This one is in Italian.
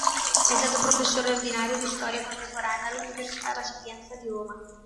È stato professore ordinario di Storia contemporanea all'Università La Sapienza di Roma.